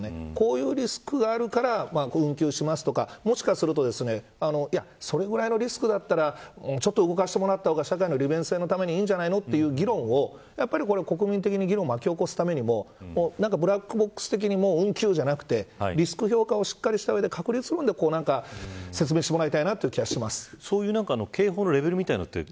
こういうリスクがあるから運休しますとかもしかするとそれぐらいのリスクだったらちょっと動かしてもらった方が社会の利便性のためにいいんじゃないのというような議論をやっぱり国民的に議論を巻き起こすためにもブラックボックス的に運休ではなくてリスク評価をしっかりした上で確率論で説明してもらいたい気がします。